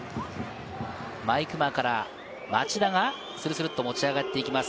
毎熊から町田がスルスルっと持ち上がっていきます。